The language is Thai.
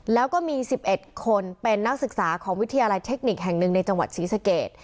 แล้วก็มี๑๑คนเป็นนักศึกษาของวิทยาลัยเทคนิคแห่งหนึ่งในจังหวัดศรีสเกต